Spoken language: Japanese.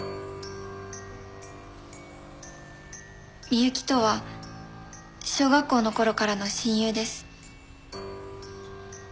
美雪とは小学校の頃からの親友です。